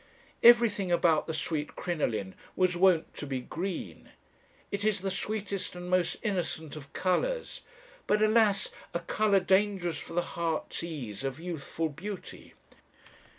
"Everything about the sweet Crinoline was wont to be green. It is the sweetest and most innocent of colours; but, alas! a colour dangerous for the heart's ease of youthful beauty.